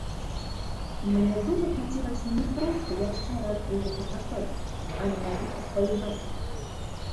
Мне дужа хацелася не проста яшчэ раз прыехаць на фэст, а менавіта пайграць.